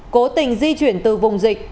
cố tình di chuyển từ vùng dịch